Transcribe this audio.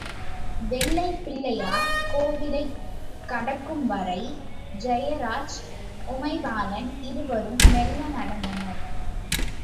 வெள்ளைப் பிள்ளையார் கோயிலைக் கடக்கும் வரை ஜெயராஜ், உமைபாலன் இருவரும் மெள்ள நடந்தனர்.